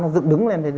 dựng đứng lên